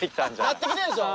なってきてるでしょ？